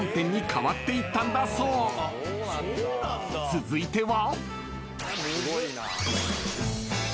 ［続いては］